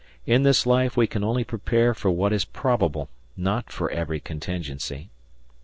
In this life we can only prepare for what is probable, not for every contingency.